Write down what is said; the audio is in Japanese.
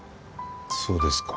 そうですか。